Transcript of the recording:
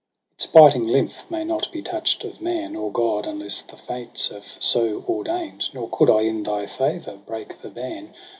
' Its biting lymph may not be touch'd of man Or god, unless the Fates have so ordain'd 3 Nor coud I in thy favour break the ban.